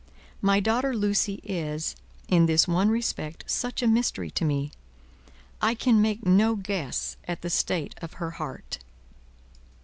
My daughter Lucie is, in this one respect, such a mystery to me; I can make no guess at the state of her heart."